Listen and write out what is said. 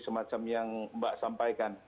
semacam yang mbak